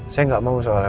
saya gak mau soalnya